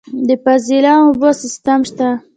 د فاضله اوبو سیستم شته؟